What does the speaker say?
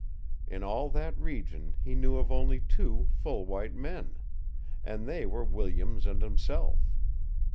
In all that region he knew of only two full white men, and they were Williams and himself.